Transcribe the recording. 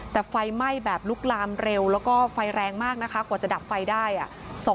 แต่ไฟไหม้แบบลุกลามเร็วแล้วก็ไฟแรงมากนะคะกว่าจะดับไฟได้